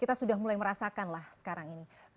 kita sudah mulai merasakan lah sekarang ini